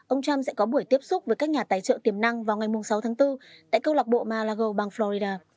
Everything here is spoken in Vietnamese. ông trump sẽ có buổi tiếp xúc với các nhà tài trợ tiềm năng vào ngày sáu tháng bốn tại câu lạc bộ malago bang florida